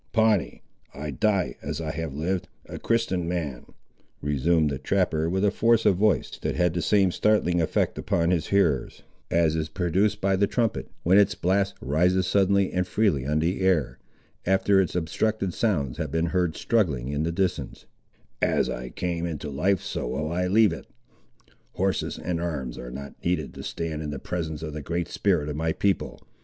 "Pawnee, I die as I have lived, a Christian man," resumed the trapper with a force of voice that had the same startling effect upon his hearers, as is produced by the trumpet, when its blast rises suddenly and freely on the air, after its obstructed sounds have been heard struggling in the distance: "as I came into life so will I leave it. Horses and arms are not needed to stand in the presence of the Great Spirit of my people.